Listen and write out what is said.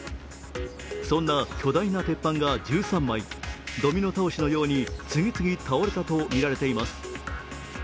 そんな巨大な鉄板が１３枚ドミノ倒しのように次々と倒れたとみられています。